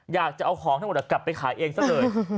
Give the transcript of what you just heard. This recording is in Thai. อยากจะเอาของทั้งหมดกลับไปขายเองซะเลย